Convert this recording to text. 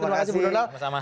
terima kasih bung donald